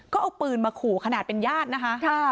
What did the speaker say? ก็เอาปืนมาขู่ขนาดเป็นญาตินะคะ